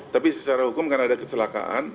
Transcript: tapi secara hukum karena ada kecelakaan